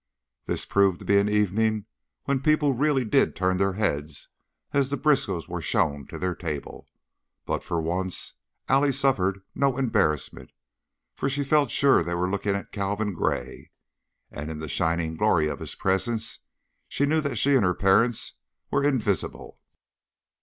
This proved to be an evening when people really did turn their heads as the Briskows were shown to their table, but for once Allie suffered no embarrassment, for she felt sure they were looking at Calvin Gray, and in the shining glory of his presence she knew that she and her parents were invisible.